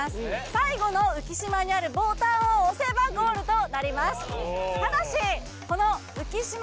最後の浮島にあるボタンを押せばゴールとなります